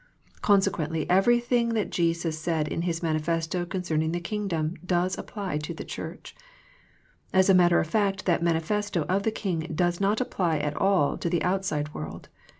Consequently everything that Jesus said in His Manifesto concerning the Kingdom does apply to the Church. As a matter of fact that Manifesto of the King does not apply at all to the outside world.